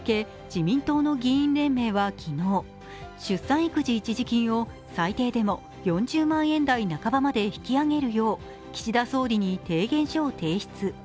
自民党の議員連盟は昨日、出産育児一時金を最低でも４０万円台半ばまで引き上げるよう岸田総理に提言書を提出。